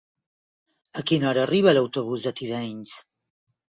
A quina hora arriba l'autobús de Tivenys?